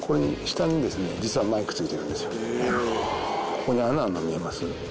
ここに穴あるの見えます？